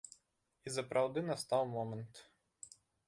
І сапраўды настаў момант.